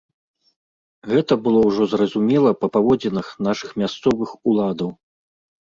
Гэта было ўжо зразумела па паводзінах нашых мясцовых уладаў.